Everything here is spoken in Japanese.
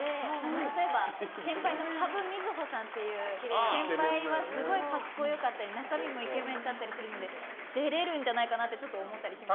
例えば、先輩のハブ・ミズホさんっていう先輩はすごい格好良かったり中身もイケメンだったりするので出れるんじゃないかなって思ったりします。